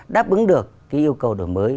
đáp ứng được cái yêu cầu đổi mới